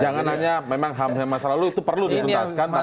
jangan hanya memang ham ham masa lalu itu perlu dituntaskan